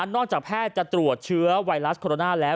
จากแพทย์จะตรวจเชื้อไวรัสโคโรนาแล้ว